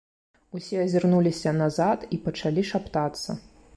Усе азірнуліся назад і пачалі шаптацца.